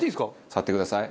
触ってください。